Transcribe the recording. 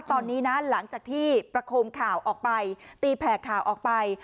ตอนนี้นะหลังจากที่ประคมข่าวออกไปตีแผ่ข่าวออกไป